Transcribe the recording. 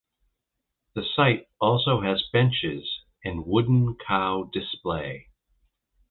The site also has benches and wooden cow display.